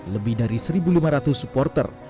lebih dari satu lima ratus supporter